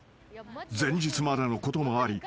［前日までのこともありＡＤ